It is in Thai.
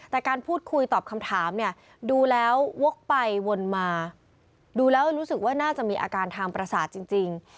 แต่การพูดคุยตอบคำถามเนี่ยดูแล้ววกไปวนมาดูแล้วรู้สึกว่าน่าจะมีอาการทางประสาทจริง